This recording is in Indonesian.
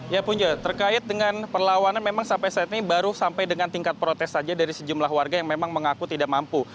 ya punca terkait dengan perlawanan memang sampai saat ini baru sampai dengan tingkat protes saja dari sejumlah warga yang memang mengaku tidak mampu